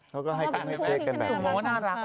เขาก็ให้กลับให้เค้กกันแบบนี้ถูกว่าว่าน่ารัก